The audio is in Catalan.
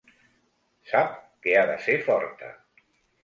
Sap que ha de ser forta.